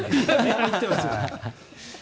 入ってますよね。